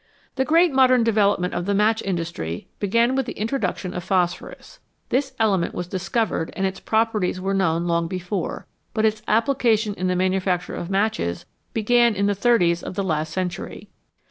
The great modern development of the match industry began with the introduction of phosphorus. This element was discovered and its properties were known long before, but its application in the manufacture of matches began in the thirties of last century.